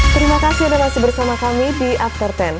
terima kasih anda masih bersama kami di after sepuluh